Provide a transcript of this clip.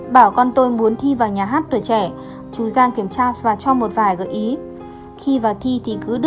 bảo con tôi muốn thi vào nhà hát tuổi trẻ chú rang kiểm tra và cho một vài gợi ý khi vào thi thì cứ đưa